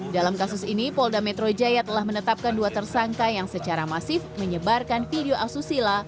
dalam kasus ini polda metro jaya telah menetapkan dua tersangka yang secara masif menyebarkan video asusila